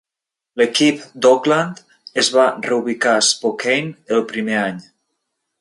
L'equip d'Oakland es va reubicar a Spokane el primer any.